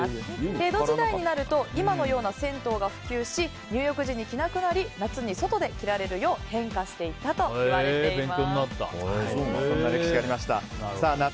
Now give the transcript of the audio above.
江戸時代になると今のような銭湯が普及し入浴時に着なくなり、夏に外で着られるように変化していったといわれています。